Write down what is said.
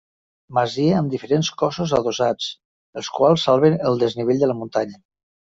Masia amb diferents cossos adossats, els quals salven el desnivell de la muntanya.